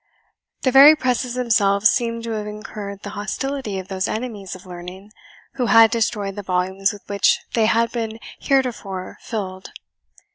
The very presses themselves seemed to have incurred the hostility of those enemies of learning who had destroyed the volumes with which they had been heretofore filled.